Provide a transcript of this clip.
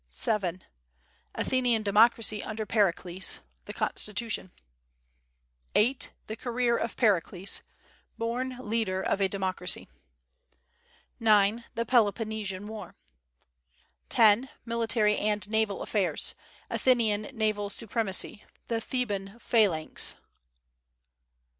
7. Athenian democracy under Pericles. The Constitution. 8. The career of Pericles: born leader of a democracy. 9. The Peloponnesian War. 10. Military and naval affairs. Athenian naval supremacy. The Theban phalanx.